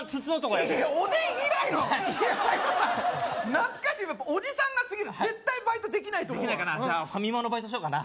懐かしいおじさんが過ぎる絶対バイトできないと思うじゃあファミマのバイトしようかな